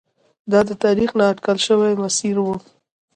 دا د تاریخ نا اټکل شوی مسیر و.